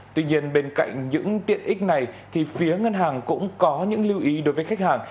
tuy nhiên bên cạnh những tiện ích này thì phía ngân hàng cũng có những lưu ý đối với khách hàng